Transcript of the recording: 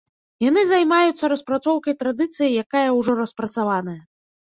Яны займаюцца распрацоўкай традыцыі, якая ўжо распрацаваная.